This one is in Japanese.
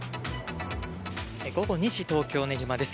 午後２時、東京・練馬です。